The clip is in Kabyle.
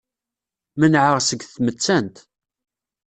Menɛeɣ seg tmettant.